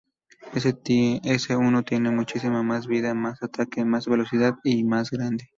Ese uno tiene muchísima más vida, más ataque, más velocidad y es más grande.